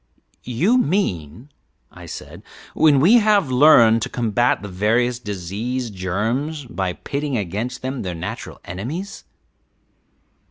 "You mean," I said, "when we have learned to combat the various disease germs by pitting against them their natural enemies."